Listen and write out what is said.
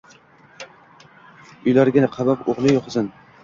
Uylariga qamab o’g’liyu qizin